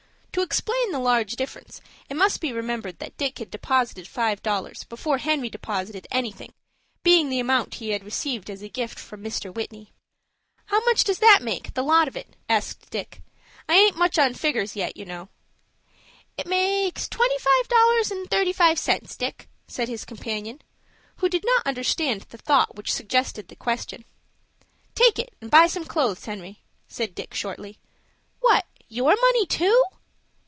To explain the large difference, it must be remembered that Dick had deposited five dollars before Henry deposited anything, being the amount he had received as a gift from Mr. Whitney. "How much does that make, the lot of it?" asked Dick. "I aint much on figgers yet, you know." "It makes twenty five dollars and thirty five cents, Dick," said his companion, who did not understand the thought which suggested the question. "Take it, and buy some clothes, Henry," said Dick, shortly. "What, your money too?"